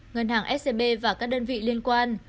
ngân hàng scb và các đơn vị liên quan